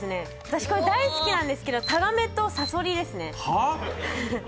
私これ大好きなんですけどタガメとサソリですねはあ！？